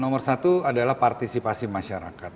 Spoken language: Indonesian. nomor satu adalah partisipasi masyarakat